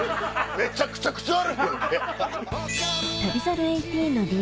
めちゃくちゃ口悪い！